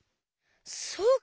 そうか！